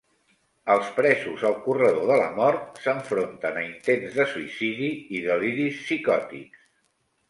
Els presos al corredor de la mort s'enfronten a intents de suïcidi i deliris psicòtics.